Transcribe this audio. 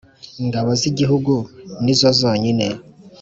ingabo z'igihugu nizo zonyine,